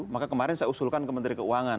maka kemarin saya usulkan ke menteri keuangan